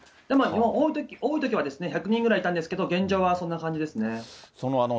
でも多いときは１００人ぐらいいたんですけど、現状はそんな感じですね。